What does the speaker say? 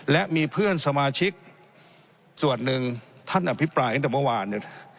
และมีเพื่อนสมาชิกส่วนหนึ่งท่านอภิปรายตั้งแต่เมื่อวานเนี่ย